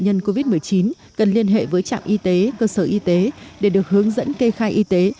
các cấp xúc gần với bệnh nhân covid một mươi chín cần liên hệ với trạm y tế cơ sở y tế để được hướng dẫn kê khai y tế